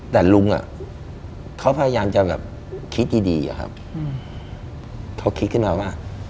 แต่ลุงเขาพยายามจะคิดดีเขาคิดขึ้นมาว่า